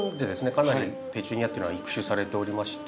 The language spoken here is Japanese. かなりペチュニアっていうのは育種されておりまして。